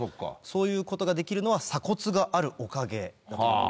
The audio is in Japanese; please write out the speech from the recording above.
そういうことができるのは鎖骨があるおかげ。